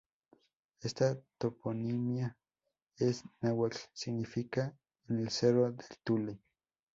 Esa toponimia en náhuatl significa en el cerro del tule.